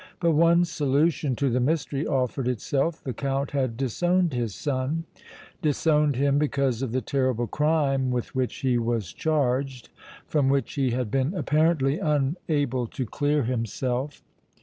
But one solution to the mystery offered itself the Count had disowned his son, disowned him because of the terrible crime with which he was charged, from which he had been apparently unable to clear himself.